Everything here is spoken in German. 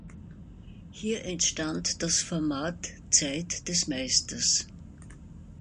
Hier entstand das Format „Zeit des Meisters“.